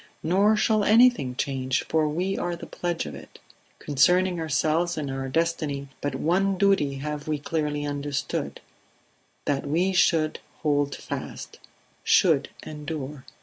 Nor shall anything change, for we are the pledge of it. Concerning ourselves and our destiny but one duty have we clearly understood: that we should hold fast should endure.